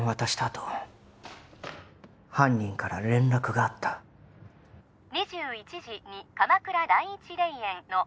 あと犯人から連絡があった２１時に鎌倉第一霊園の